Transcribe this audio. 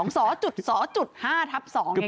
สส๕ทับ๒อย่างเงี้ยค่ะ